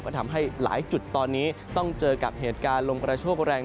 ก็ทำให้หลายจุดตอนนี้ต้องเจอกับเหตุการณ์ลมกระโชคแรง